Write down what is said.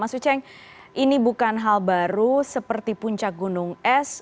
mas uceng ini bukan hal baru seperti puncak gunung es